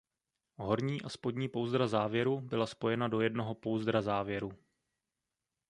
Horní a spodní pouzdra závěru byla spojena do jednoho pouzdra závěru.